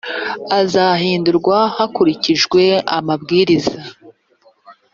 azahindurwa hakurikijwe amabwiriza .